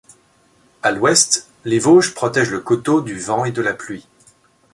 À l'ouest, les Vosges protègent le coteau du vent et de la pluie.